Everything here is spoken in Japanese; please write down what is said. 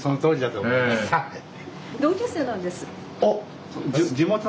あっ。